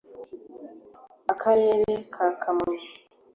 Akarere ka Kamonyi